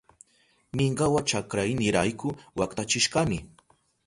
Minkawa chakraynirayku waktachishkani.